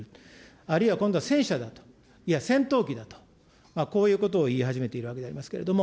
あるいは今度は戦車だと、いや、戦闘機だと、こういうことを言い始めているわけでありますけれども。